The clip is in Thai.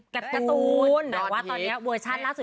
กำลังอิน